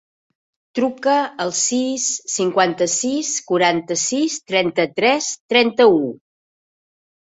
Truca al sis, cinquanta-sis, quaranta-sis, trenta-tres, trenta-u.